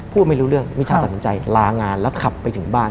พูดไม่รู้เรื่องมิชาตัดสินใจลางานแล้วขับไปถึงบ้าน